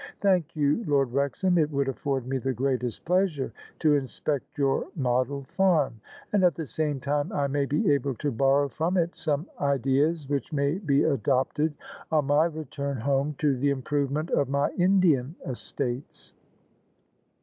" Thank you, Lord Wrex ham: it would afford me the greatest pleasure to inspect your model farm : and at the same time I may be able to borrow from it some ideas which may be adopted, on my return home, to the improvement of my Indian estates."